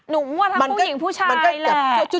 หนุ่มว่าทำผู้หญิงพูชายแหละ